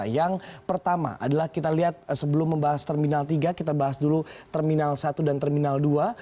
yang pertama adalah kita lihat sebelum membahas terminal tiga kita bahas dulu terminal satu dan terminal dua